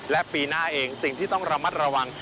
และปีหน้าเองสิ่งที่ต้องระมัดระวัง